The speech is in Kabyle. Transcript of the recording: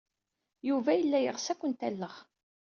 Yuba yella yeɣs ad ken-alleɣ.